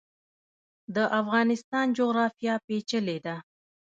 د افغانستان جغرافیا پیچلې ده